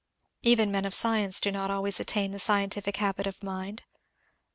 Even men of science do not always attain the scientific habit of mind.